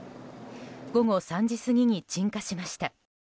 午後３時過ぎに鎮火しました。